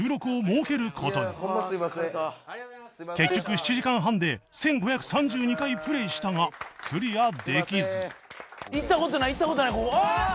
結局７時間半で１５３２回プレイしたがクリアできず